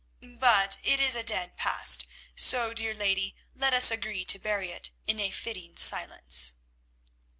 "But it is a dead past, so, dear lady, let us agree to bury it in a fitting silence."